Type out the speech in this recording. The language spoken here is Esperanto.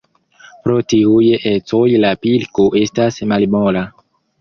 Pro tiuj ecoj la pilko estas malmola.